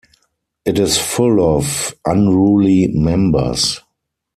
It is full of unruly members.